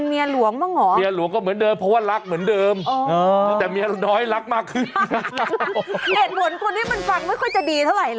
เพลงนี้สมัยก่อนเขาร้องเพลงอย่างนี้